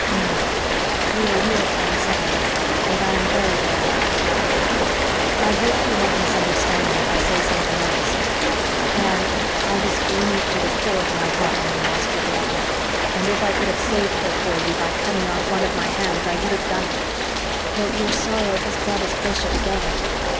"No, we are real friends now, Leslie, and I am very glad." "I hope you won't misunderstand me if I say something else. Anne, I was grieved to the core of my heart when you lost your baby; and if I could have saved her for you by cutting off one of my hands I would have done it. But your sorrow has brought us closer together.